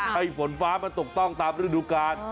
ให้ฝนฟ้ามันตกต้องตามฤดูกาล